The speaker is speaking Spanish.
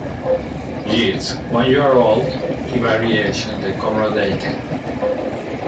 Yeats, "When You Are Old", y "Variations" de Conrad Aiken.